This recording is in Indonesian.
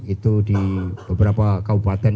itu di beberapa kabupaten